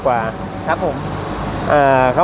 สวัสดีครับ